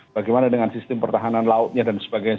bagaimana dengan sistem pertahanan lautnya dan sebagainya